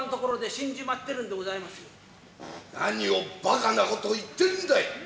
何をばかなこと言ってるんだい。